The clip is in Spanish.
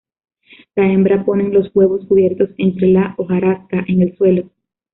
La hembra ponen los huevos cubiertos entre la hojarasca, en el suelo.